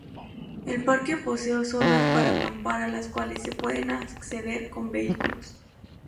El parque posee zonas para acampar a las cuales se puede acceder con vehículos.